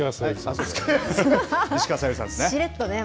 石川さゆりさんです。